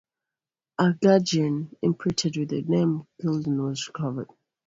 A gudgeon imprinted with the name "Culloden" was recovered.